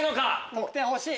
得点欲しい！